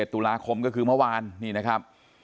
ตุลาคมก็คือเมื่อวานนี่นะครับ